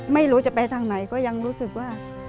ไม่รู้จะไปทางไหนก็ยังรู้สึกว่า